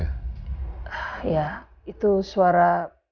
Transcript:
ya itu suara